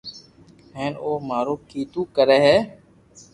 ھين او مارو ڪيدو ڪري ھي